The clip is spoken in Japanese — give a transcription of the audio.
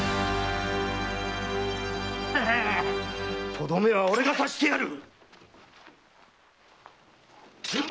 とどめは俺が刺してやる！